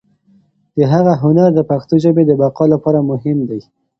د هغه هنر د پښتو ژبې د بقا لپاره مهم دی.